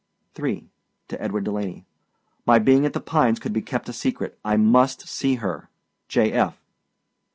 3. TO EDWARD DELANEY. My being at The Pines could be kept secret. I must see her. J. F.